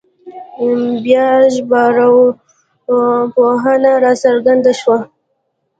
بیا ژبارواپوهنه راڅرګنده شوه